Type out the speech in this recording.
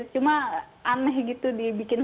cuma aneh gitu dibikin